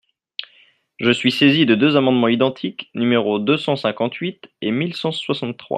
Je suis saisi de deux amendements identiques, numéros deux cent cinquante-huit et mille cent soixante-trois.